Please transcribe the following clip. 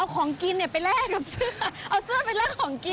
เอาของกินเนี่ยไปแลกกับเสื้อเอาเสื้อไปแลกของกิน